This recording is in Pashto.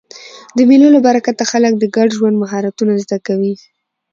د مېلو له برکته خلک د ګډ ژوند مهارتونه زده کوي.